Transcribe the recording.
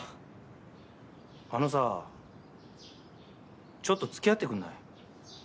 あのさあちょっと付き合ってくんない？